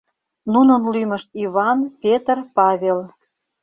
Нунын лӱмышт Иван, Петр, Павел.